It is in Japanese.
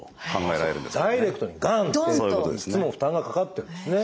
ダイレクトにガンッていつも負担がかかってるんですね。